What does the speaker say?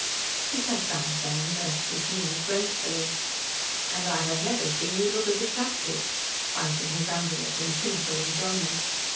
He sat down again and nursed his knee gracefully. "And I have never seen you look as attractive," biting his under lip in cynical enjoyment.